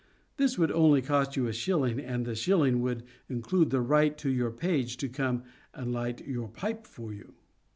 This would only cost you a shilling, and the shilling would include the right of your page to come and light your pipe for you.